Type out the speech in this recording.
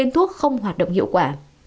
các bệnh nhân không hoạt động hiệu quả